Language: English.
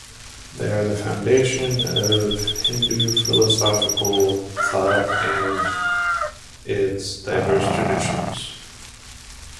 They are the foundation of Hindu philosophical thought and its diverse traditions.